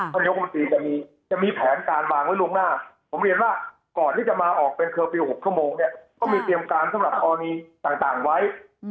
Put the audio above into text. นายกมนตรีจะมีแผนการวางไว้ล่วงหน้าผมเรียนว่าก่อนที่จะมาออกเป็นเคอร์ฟิลล์๖ชั่วโมงเนี่ยก็มีเตรียมการสำหรับกรณีต่างไว้